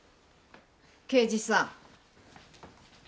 刑事さん。